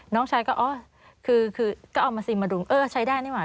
น้องชายก็เอามาซิมมาดูใช้ได้นี่ไหม